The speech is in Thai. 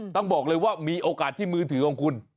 ต้องบอกเลยว่ามีโอกาสที่มือถือของคุณ